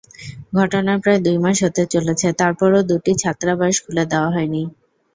ঘটনার প্রায় দুই মাস হতে চলেছে, তারপরও দুটি ছাত্রাবাস খুলে দেওয়া হয়নি।